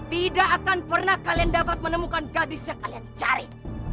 tidak akan pernah kalian dapat menemukan gadis yang kalian cari